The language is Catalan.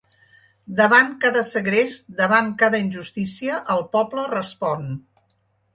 Davant cada segrest, davant cada injustícia, el poble respon!